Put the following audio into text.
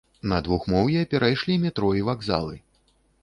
На двухмоўе перайшлі метро і вакзалы.